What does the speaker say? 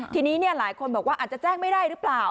ทีนี้หลายคนบอกว่าอาจจะแจ้งไม่ได้หรือเปล่า